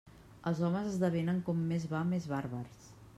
Els homes esdevenen com més va més bàrbars.